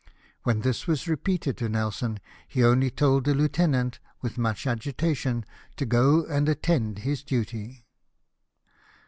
When this was repeated to Nelson he only told the lieutenant, with much agitation, to go and attend his duty.